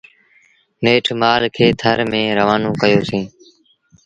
نيٺ مآل کي ٿر ميݩ روآنون ڪيو سيٚݩ۔۔